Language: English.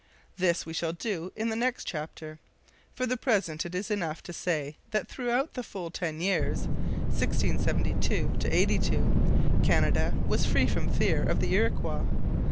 This we shall do in the next chapter. For the present it is enough to say that throughout the full ten years 1672 82 Canada was free from fear of the Iroquois.